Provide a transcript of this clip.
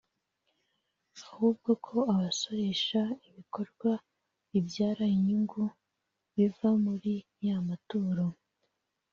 ahubwo ko basoresha ibikorwa bibyara inyungu biva muri ya maturo